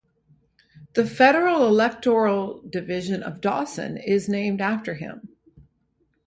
The Federal electoral division of Dawson is named after him.